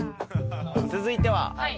続いては？